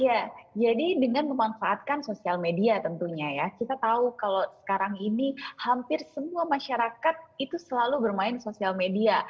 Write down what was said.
iya jadi dengan memanfaatkan sosial media tentunya ya kita tahu kalau sekarang ini hampir semua masyarakat itu selalu bermain di sosial media